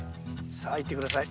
さあいって下さい。